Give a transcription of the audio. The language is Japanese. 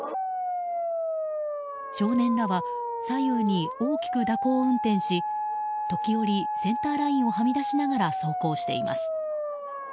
少年らは左右に大きく蛇行運転し時折、センターラインをはみ出しながら走行しています。